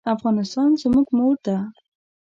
افغانستان زموږ مور ده.